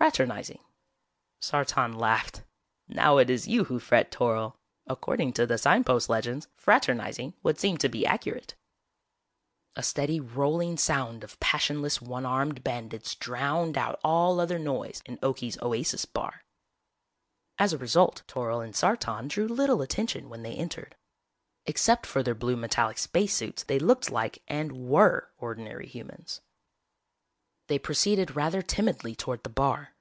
_" "Fraternizing." Sartan laughed. "Now it is you who fret, Toryl. According to the signpost legends 'fraternizing' would seem to be accurate." A steady rolling sound of passionless one armed bandits drowned out all other noise in Okie's Oasis Bar. As a result, Toryl and Sartan drew little attention when they entered. Except for their blue metallic space suits they looked like and were ordinary humans. They proceeded rather timidly toward the bar.